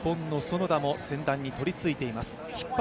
日本の園田も先団に取り込んでいます。